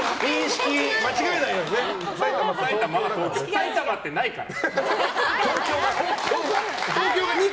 埼玉ってないから。